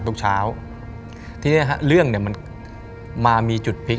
ทุกเช้าทีเนี้ยฮะเรื่องเนี้ยมันมามีจุดพลิก